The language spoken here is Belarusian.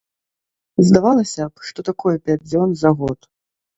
Здавалася б, што такое пяць дзён за год?